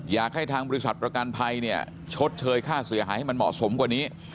อยากให้ทางบริษัทประกันภัยเนี่ยชดเชยค่าเสียหายให้มันเหมาะสมกว่านี้